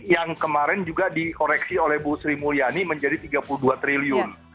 yang kemarin juga dikoreksi oleh bu sri mulyani menjadi tiga puluh dua triliun